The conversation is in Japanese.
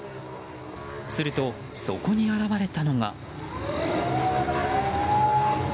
すると、そこに現れたのが。